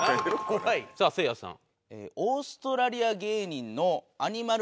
さあせいやさん。